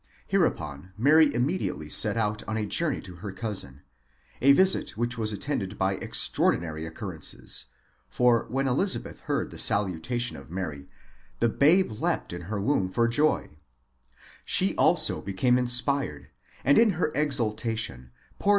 Hereupon Mary immediately set out on a journey to her cousin, a visit which was attended by extraordinary occur. rences ; for when Elizabeth heard the salutation of Mary, the babe leaped in her womb for joy; she also became inspired, and in her exultation poured.